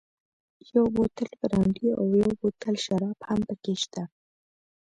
یو بوتل برانډي او یو بوتل شراب هم پکې شته.